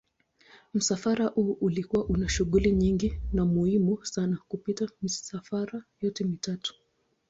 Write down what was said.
Msafara huu ulikuwa una shughuli nyingi na muhimu sana kupita misafara yote mitatu.